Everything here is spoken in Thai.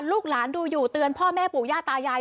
ลูกหลานดูอยู่เตือนพ่อแม่ปู่ย่าตายาย